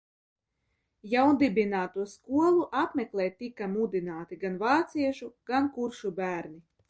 Jaundibināto skolu apmeklēt tika mudināti gan vāciešu, gan kuršu bērni.